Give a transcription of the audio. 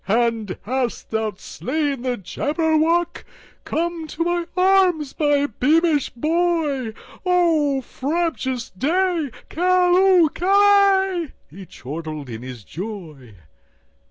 "And hast thou slain the Jabberwock? Come to my arms, my beamish boy!O frabjous day! Callooh! Callay!"He chortled in his joy.